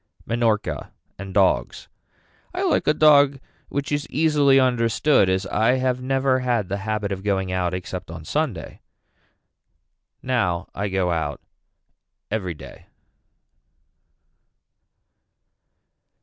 Minorca and dogs. I like a dog which is easily understood as I have never had the habit of going out except on Sunday. Now I go out every day.